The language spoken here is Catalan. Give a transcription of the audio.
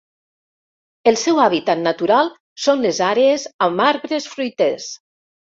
El seu hàbitat natural són les àrees amb arbres fruiters.